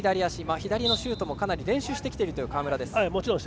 左のシュートもかなり練習してきているという川村。